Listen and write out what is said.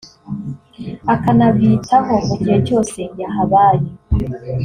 akanabitaho mu gihe cyose yahabaye